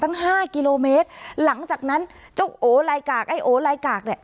ห้ากิโลเมตรหลังจากนั้นเจ้าโอลายกากไอ้โอลายกากเนี่ย